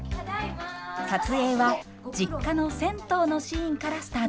撮影は実家の銭湯のシーンからスタートしました。